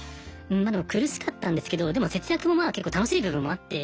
うん何だろう苦しかったんですけどでも節約もまあ結構楽しい部分もあって。